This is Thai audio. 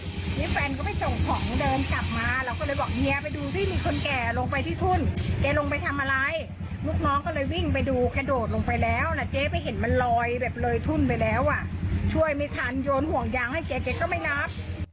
ทีนี้แฟนก็ไปส่งของเดินกลับมาเราก็เลยบอกเฮียไปดูพี่มีคนแก่ลงไปที่ทุ่นแกลงไปทำอะไรลูกน้องก็เลยวิ่งไปดูกระโดดลงไปแล้วนะเจ๊ไปเห็นมันลอยแบบเลยทุ่นไปแล้วอ่ะช่วยไม่ทันโยนห่วงยางให้เจ๊แกก็ไม่รับ